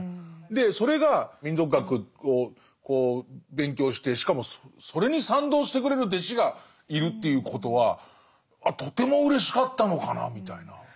でそれが民俗学を勉強してしかもそれに賛同してくれる弟子がいるっていうことはとてもうれしかったのかなみたいな。